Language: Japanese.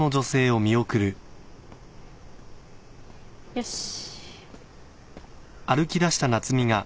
よし。